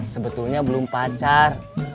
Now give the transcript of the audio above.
sebetulnya belum pacar